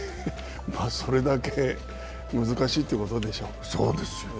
それだけ難しいってことでしょ。